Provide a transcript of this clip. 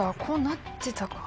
こうなってた？